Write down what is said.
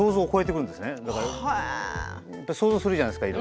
いろいろ想像するじゃないですか